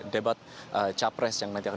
debat capres yang nanti akan